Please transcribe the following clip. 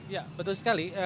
ya betul sekali